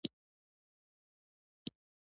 خوړل باید په شکر سره وشي